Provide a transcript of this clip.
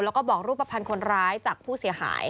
แล้วก็บอกรูปภัณฑ์คนร้ายจากผู้เสียหาย